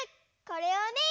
これをね